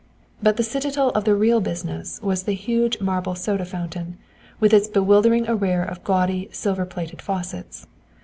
But the citadel of the real business was the huge marble soda fountain, with its bewildering array of gaudy silver plated faucets.